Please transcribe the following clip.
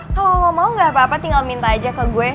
kalau lo mau gak apa apa tinggal minta aja ke gue